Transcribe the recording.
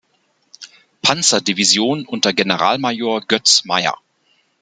Panzerdivision unter Generalmajor Götz Mayer.